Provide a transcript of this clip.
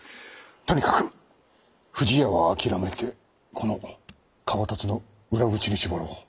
とにかく藤屋は諦めてこの河辰の裏口に絞ろう。